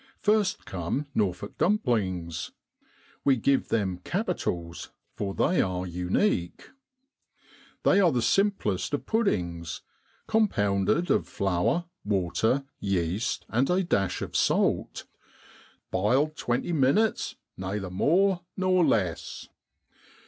First come Norfolk Dumplings. We give them capitals, for they are unique. They are the simplest of puddings, compounded of flour, water, yeast, and a dash of salt, ' biled twenty minnets nayther more nor less.'